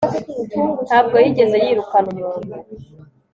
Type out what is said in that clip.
ntabwo yigeze yirukana umuntu